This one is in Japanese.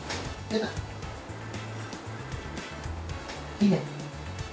いいね。